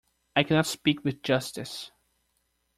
I cannot speak with justice.